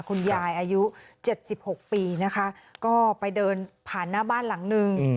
คุณยายอายุ๗๖ปีนะคะก็ไปเดินผ่านหน้าบ้านหลังนึง